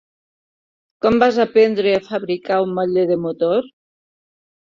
Com vas aprendre a fabricar un motlle de motor?